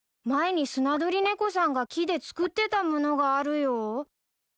前にスナドリネコさんが木で作ってたものがあるよ。